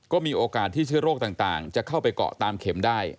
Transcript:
ก็มีโอกาสที่เชื้อโรคต่างจะเข้าไปเกาะตามเข็มได้